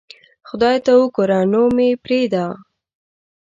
خدای ته اوګوره نو مې پریدا